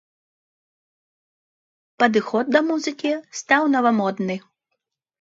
Падыход да музыкі стаў навамодны.